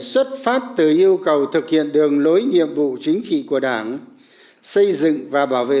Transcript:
sẽ được bàn gọi